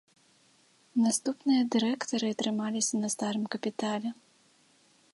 Наступныя дырэктары трымаліся на старым капітале.